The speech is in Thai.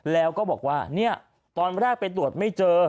แล้วก็บอกว่าเนี่ยตอนแรกไปตรวจไม่เจอ